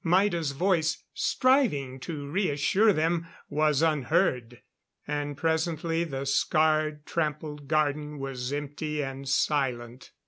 Maida's voice, striving to reassure them, was unheard. And presently the scarred, trampled garden was empty and silent.